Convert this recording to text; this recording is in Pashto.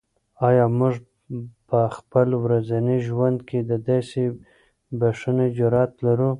آیا موږ په خپل ورځني ژوند کې د داسې بښنې جرات لرو؟